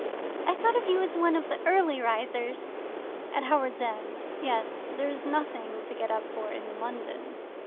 "I thought of you as one of the early risers." "At Howards End yes; there is nothing to get up for in London."